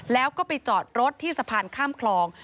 แล้วก็ไปจอดรถที่สะพานข้ามคลอง